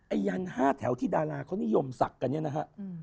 ยัน๕แถวที่ดาราเขานิยมศักดิ์กันเนี่ยนะฮะ